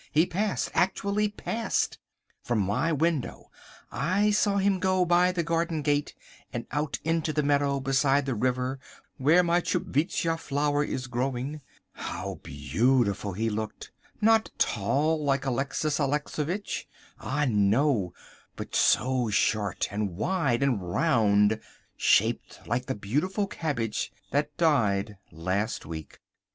He passed: actually passed. From my window I saw him go by the garden gate and out into the meadow beside the river where my Tchupvskja flower is growing! How beautiful he looked! Not tall like Alexis Alexovitch, ah, no! but so short and wide and round—shaped like the beautiful cabbage that died last week.